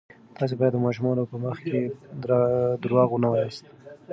تاسې باید د ماشومانو په مخ کې درواغ ونه وایاست.